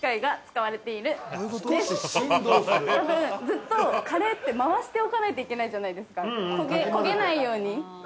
ずっとカレーって回しておかないといけないじゃないですか、焦げないように。